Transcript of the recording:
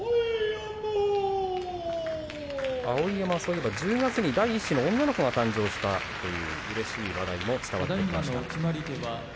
碧山は、そういえば１０月に第一子の女の子が誕生したといううれしい話題も伝わってきました。